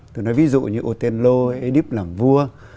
tôi nói ví dụ như ô tên lô ê điếp làm vua